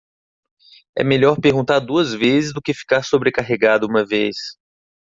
É melhor perguntar duas vezes do que ficar sobrecarregado uma vez.